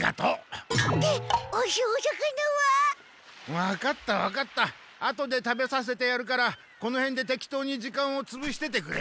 わかったわかった後で食べさせてやるからこのへんでてきとうに時間をつぶしててくれ。